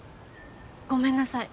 ごめんなさい。